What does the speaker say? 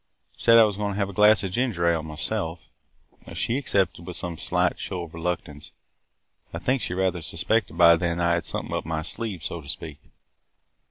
Said I was going to have a glass of ginger ale myself. She accepted with some slight show of reluctance. I think she rather suspected by then that I had something up my sleeve, so to speak!